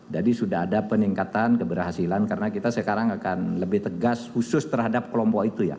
jadi sudah ada peningkatan keberhasilan karena kita sekarang akan lebih tegas khusus terhadap kelompok itu ya